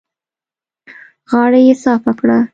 غاړه يې صافه کړه.